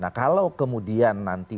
nah kalau kemudian nanti